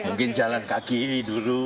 mungkin jalan kaki dulu